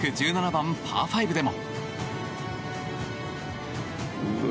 １７番、パー５でも。